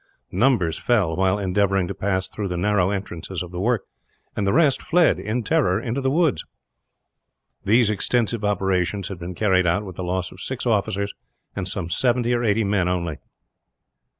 Numbers fell, while endeavouring to pass through the narrow entrances of the work; and the rest fled, in terror, into the woods. These extensive operations had been carried out with the loss of six officers, and some seventy or eighty men, only.